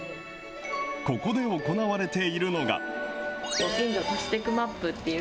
ここで行われているのが。